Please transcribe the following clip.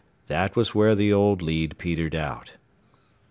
That was where the old lead petered out.